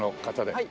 はい。